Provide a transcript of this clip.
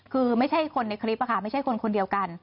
คือไม่ใช่คนในคลิปค่ะไม่ใช่คนคนเดียวกัน